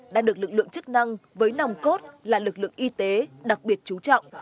đã được lực lượng chức năng với nòng cốt là lực lượng y tế đặc biệt chú trọng